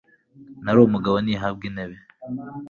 nari umugabo ntihabwa intebe